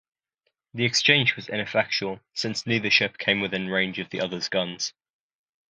The exchange was ineffectual since neither ship came within range of the other's guns.